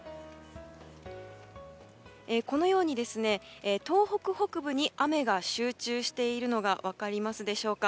このように東北北部に雨が集中しているのが分かりますでしょうか。